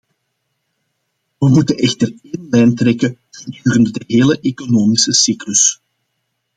We moeten echter één lijn trekken gedurende de hele economische cyclus.